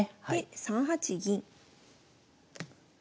で３八銀。